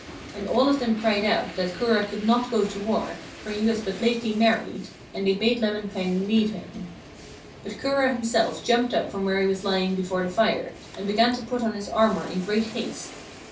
And all of them cried out that Kura could not go to war, for he was but lately married, and they bade Lemminkainen leave him. But Kura himself jumped up from where he was lying before the fire, and began to put on his armour in great haste.